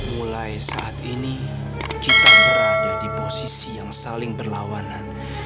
mulai sekarang kita berada di posisi yang saling berlawanan